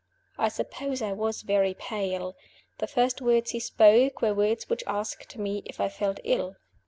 I suppose I was very pale. The first words he spoke were words which asked me if I felt ill.